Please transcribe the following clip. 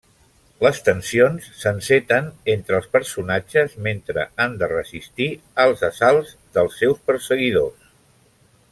Les tensions s'enceten entre els personatges mentre han de resistir als assalts dels seus perseguidors.